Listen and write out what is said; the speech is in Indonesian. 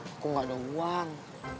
aku gak ada uang